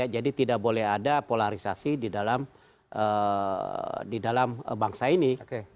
jadi tidak boleh ada polarisasi di dalam bangsa ini